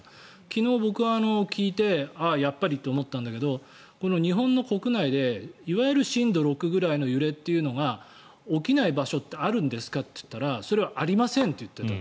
昨日、僕は聞いてやっぱりって思ったんだけど日本の国内でいわゆる震度６ぐらいの揺れというのが起きない場所ってあるんですか？と言ったらそれはありませんって言っていた。